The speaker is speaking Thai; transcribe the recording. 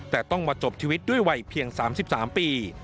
แต่ต้องมาจบชีวิตด้วยวัยเพียง๓๓ปี